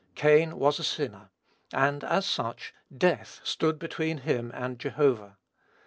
Cain was a sinner, and, as such, death stood between him and Jehovah.